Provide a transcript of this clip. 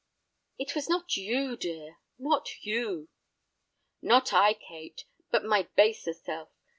"It was not you, dear—not you." "Not I, Kate, but my baser self.